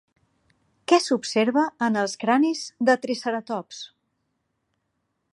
Què s'observa en els cranis de triceratops?